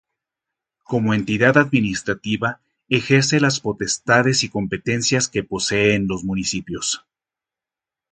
Como entidad administrativa ejerce las potestades y competencias que poseen los municipios.